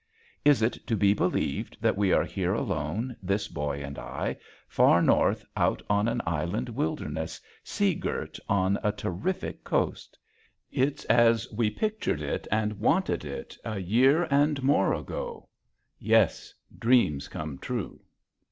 Is it to be believed that we are here alone, this boy and I, far north out on an island wilderness, seagirt on a terrific coast! It's as we pictured it and wanted it a year and more ago, yes, dreams come true.